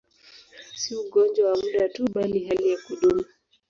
Si ugonjwa wa muda tu, bali hali ya kudumu.